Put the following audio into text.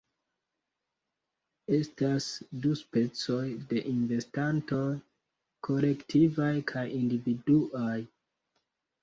Estas du specoj de investantoj: kolektivaj kaj individuaj.